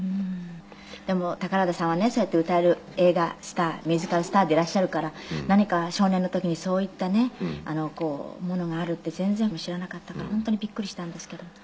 でも宝田さんはねそうやって歌える映画スターミュージカルスターでいらっしゃるから何か少年の時にそういったねものがあるって全然知らなかったから本当にびっくりしたんですけど。